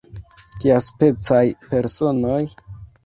Kiaspecaj personoj?